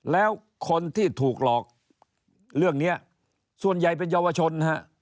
แล้วคนที่ถูกหลอกเรื่องนี้ส่วนใหญ่เป็นเยาวชนฮะ